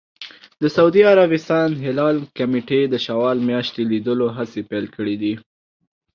د سعودي عربستان هلال کمېټې د شوال میاشتې لیدلو هڅې پیل کړې دي.